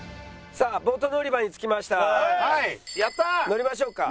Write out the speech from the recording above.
乗りましょうか。